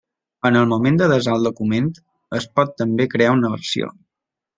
En el moment de desar el document es pot també crear una versió.